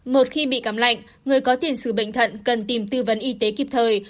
một khi bị cảm lạnh người có tiền xử bệnh thận cần tìm tư vấn y tế kịp thời